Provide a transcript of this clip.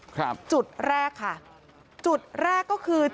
ครับจุดแรกค่ะจุดแรกก็คือ